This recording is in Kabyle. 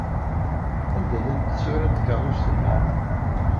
Anda llant tsura n tkeṛṛust-nnem?